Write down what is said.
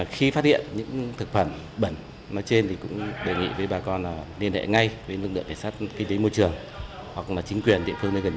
khi phát hiện những thực phẩm bẩn trên đề nghị với bà con liên hệ ngay với lực lượng